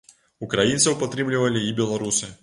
Украінцаў падтрымлівалі і беларусы.